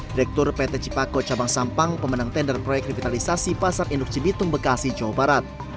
direktur pt cipako cabang sampang pemenang tender proyek revitalisasi pasar induk cibitung bekasi jawa barat